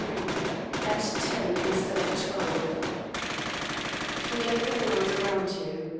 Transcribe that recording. XXIII AT TEN INSTEAD OF TWELVE Forget the world around you.